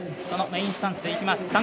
そのメインスタンスでいきます